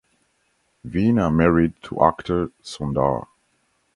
Veena married to actor Sundar.